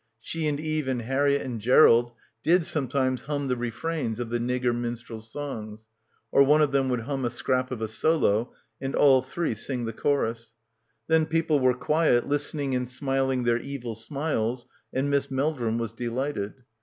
She and Eve and Harriett and Gerald did sometimes hum the refrains of the nigger minstrels' songs, or one of them would hum a scrap of a solo and all three sing the chorus. Then people were quiet, listening and smiling their evil smiles and Miss Meldrum was delighted.